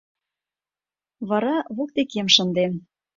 — Вара воктекем шындем.